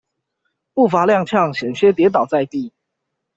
步伐踉蹌險些跌倒在地